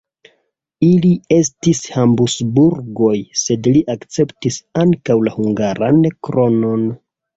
Ili estis Habsburgoj, sed li akceptis ankaŭ la hungaran kronon.